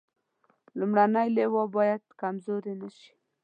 لومړنۍ لواء باید کمزورې نه شي.